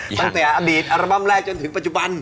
ตั้งแต่อดีตอัลบั้มแรกจนถึงปัจจุบัน